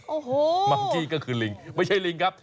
โอ้โหมังกี้ก็คือลิงไม่ใช่ลิงครับ